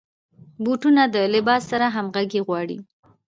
بوټونه د لباس سره همغږي غواړي.